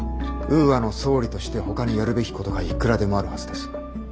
ウーアの総理としてほかにやるべきことがいくらでもあるはずです。